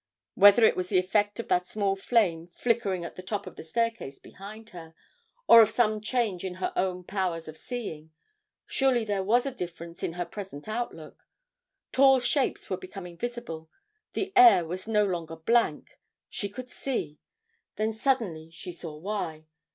Whether it was the effect of that small flame flickering at the top of the staircase behind her, or of some change in her own powers of seeing, surely there was a difference in her present outlook. Tall shapes were becoming visible the air was no longer blank she could see Then suddenly she saw why.